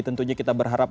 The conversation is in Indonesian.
tentunya kita berharap